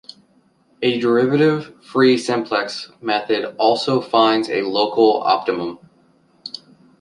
The derivative-free simplex method also finds a local optimum.